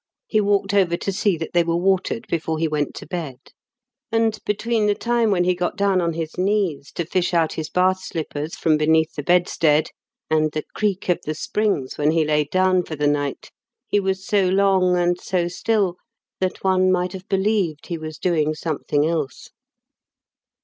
He walked over to see that they were watered before he went to bed. And between the time when he got down on his knees to fish out his bath slippers from beneath the bed stead and the creak of the springs when he lay down for the night, he was so long and so still that one might have believed he was doing something else.